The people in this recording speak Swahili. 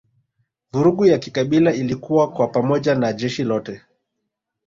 Vurugu ya kikabila ilikua kwa pamoja na jeshi lote